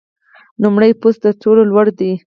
لومړی بست تر ټولو لوړ دی